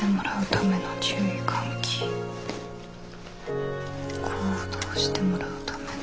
行動してもらうための。